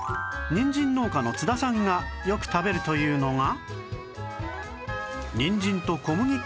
にんじん農家の赤澤さんがよく食べるというのが